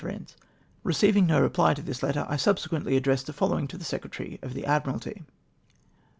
Eeceiving no reply to this letter, I subsequently addressed the following to the Secretary of the Ad miralty.